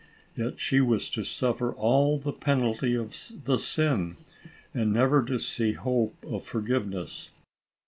Yet she was to suffer all the penalty of the sin, and never to see hope of forgiveness.